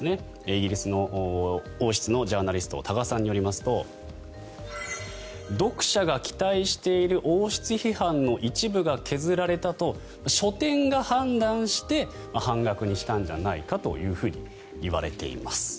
イギリスの王室のジャーナリスト多賀さんによりますと読者が期待している王室批判の一部が削られたと、書店が判断して半額にしたんじゃないかといわれています。